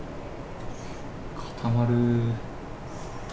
固まるー。